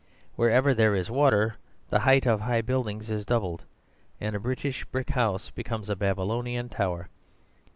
Wherever there is water the height of high buildings is doubled, and a British brick house becomes a Babylonian tower.